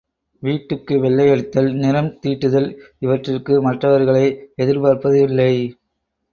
வீட்டுக்கு வெள்ளையடித்தல், நிறம் தீட்டுதல் இவற்றிற்கு மற்றவர்களை எதிர்பார்ப்பது இல்லை.